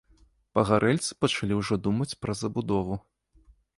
Пагарэльцы пачалі ўжо думаць пра забудову.